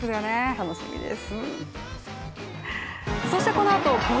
楽しみです。